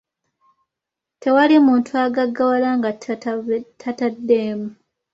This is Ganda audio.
Tewali muntu agaggawala nga tataddeemu.